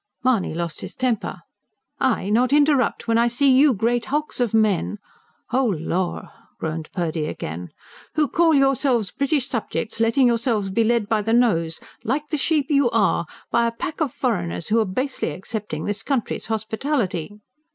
Mahony lost his temper. "I not interrupt? when I see you great hulks of men " ("Oh, lor!" groaned Purdy again.) " who call yourselves British subjects, letting yourselves be led by the nose, like the sheep you are, by a pack of foreigners who are basely accepting this country's hospital'ty?"